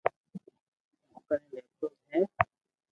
موڪني ليپ ٽوپ ھي